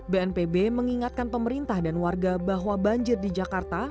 bnpb mengingatkan pemerintah dan warga bahwa banjir di jakarta